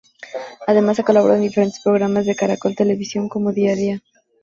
Además ha colaborado en diferentes programas de Caracol Televisión como Día a Día.